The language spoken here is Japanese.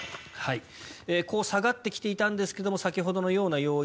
こう下がってきていたんですが先ほどのような要因